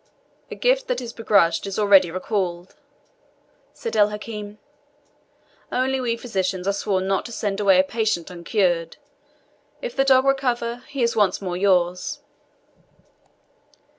"A gift that is begrudged is already recalled," said El Hakim; "only we physicians are sworn not to send away a patient uncured. If the dog recover, he is once more yours."